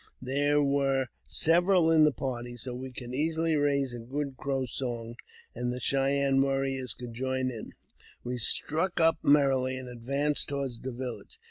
There ^ere several in the party, so we could easily raise a good idrow song, and the Cheyenne warriors could join in. We struck up merrily, and advanced toward the village.